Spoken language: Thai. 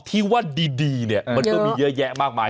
ที่ว่าดีเนี่ยมันก็มีเยอะแยะมากมาย